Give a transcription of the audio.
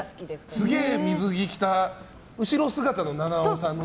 すげえ水着着た後ろ姿の菜々緒さんね。